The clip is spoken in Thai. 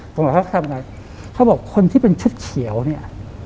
ผมบอกเขาจะทำยังไงเขาบอกคนที่เป็นชุดเขียวนี่